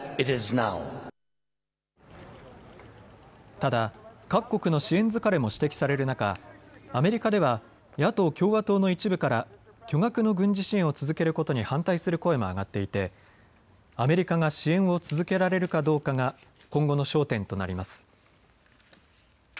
ただ、各国の支援疲れも指摘される中、アメリカでは野党・共和党の一部から巨額の軍事支援を続けることに反対する声も上がっていてアメリカが支援を続けられるかどうかが今後の焦点となります。